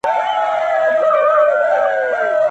ما خوبونه وه لیدلي د بېړۍ د ډوبېدلو؛